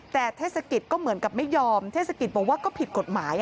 แต่เทศกิจก็เหมือนกับไม่ยอมเทศกิจบอกว่าก็ผิดกฎหมาย